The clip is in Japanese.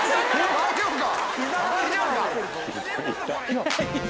大丈夫か？